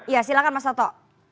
ya silahkan mas toto